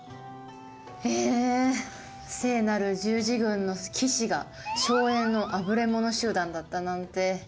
え聖なる十字軍の騎士が荘園のあぶれ者集団だったなんて。